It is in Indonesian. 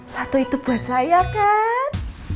satu itu buat saya kan